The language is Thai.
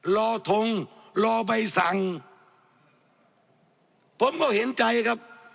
รอทงรอใบสั่งผมก็เห็นใจครับ